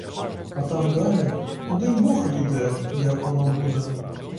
А там далі один бог відає, як воно буде.